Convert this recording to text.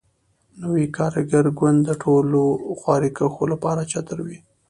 نوی کارګر ګوند د ټولو خواریکښو لپاره چتر وي.